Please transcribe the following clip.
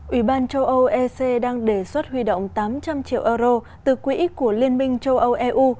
ủy ban châu âu ec đang đề xuất huy động tám trăm linh triệu euro từ quỹ của liên minh châu âu eu